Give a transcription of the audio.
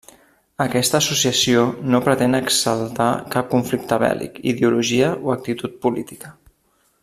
Aquesta associació no pretén exaltar cap conflicte bèl·lic, ideologia o actitud política.